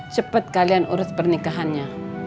cepat kalian urus pernikahannya